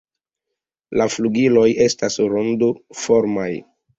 La flugiloj estas rondoformaj.